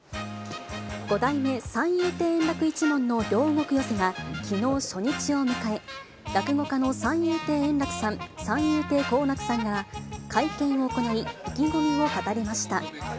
五代目三遊亭圓楽一門の両国寄席はきのう初日を迎え、落語家の三遊亭円楽さん、三遊亭好楽さんが会見を行い、意気込みを語りました。